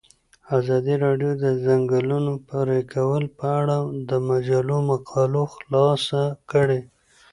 ازادي راډیو د د ځنګلونو پرېکول په اړه د مجلو مقالو خلاصه کړې.